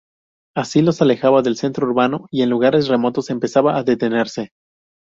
Así, los alejaba del centro urbano y en lugares remotos empezaba a detenerse.